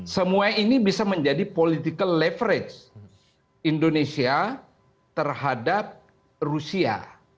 semua ini bisa menjadi political leverage indonesia terhadap rusia